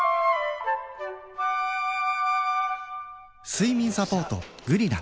睡眠サポート「グリナ」